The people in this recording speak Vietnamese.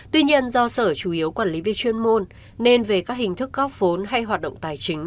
tuy nhiên do sở chủ yếu quản lý về chuyên môn nên về các hình thức góp vốn hay hoạt động tài chính